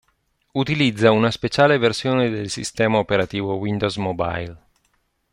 Utilizza una speciale versione del sistema operativo Windows Mobile.